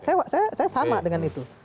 itu saya sempat saya sama dengan itu